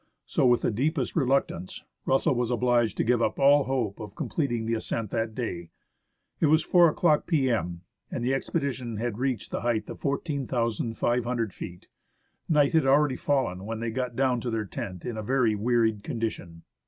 So, with the deepest reluctance, Rus sell was obliged to give up all hope of completing the ascent that day. It was 4 o'clock p.m., and the expedition had reached the height of 14,500 feet. Night had already fallen when they got down to their tent in a very wearied condition.